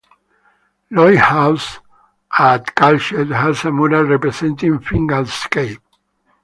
Lloyd House at Caltech has a mural representing Fingal's Cave.